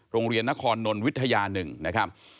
โรงเรียนนครนนท์วิทยา๑นะครับ